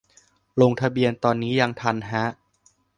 ลงทะเบียนตอนนี้ยังทันฮะ